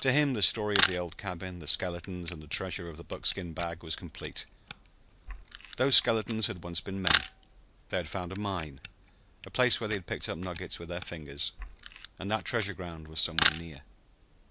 To him the story of the old cabin, the skeletons and the treasure of the buckskin bag was complete. Those skeletons had once been men. They had found a mine a place where they had picked up nuggets with their fingers. And that treasure ground was somewhere near.